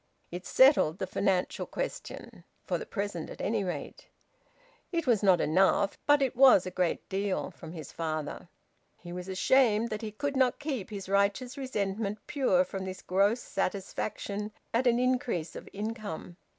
It settled the financial question, for the present at any rate. It was not enough, but it was a great deal from his father. He was ashamed that he could not keep his righteous resentment pure from this gross satisfaction at an increase of income.